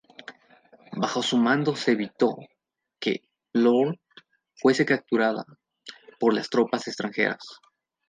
Bajo su mando se evitó que Vlorë fuese capturada por las tropas extranjeras.